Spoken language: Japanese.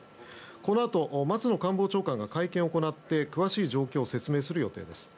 このあと松野官房長官が会見を行って詳しい状況を説明する予定です。